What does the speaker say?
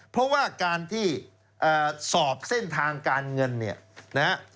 เพราะว่าการที่สอบเส้นทางการเงิน